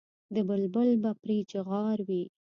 د بلبل به پرې چیغار وي.